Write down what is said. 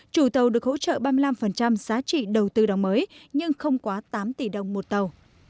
chủ tàu được hỗ trợ ba mươi năm giá trị đầu tư đóng mới nhưng không quá tám tỷ đồng một tàu